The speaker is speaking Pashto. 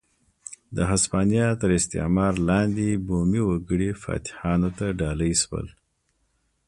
د هسپانیا تر استعمار لاندې بومي وګړي فاتحانو ته ډالۍ شول.